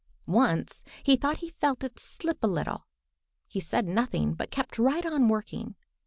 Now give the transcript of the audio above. Once he thought he felt it slip a little. He said nothing, but kept right on working.